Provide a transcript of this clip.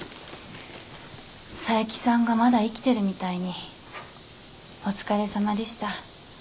佐伯さんがまだ生きてるみたいに「お疲れさまでした」